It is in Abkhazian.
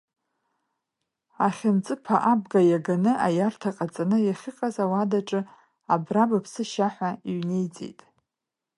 Ахьынҵыԥа абга наганы аиарҭа ҟаҵаны иахьыҟаз ауадаҿы, абра быԥсы шьа, ҳәа иҩнеиҵеит.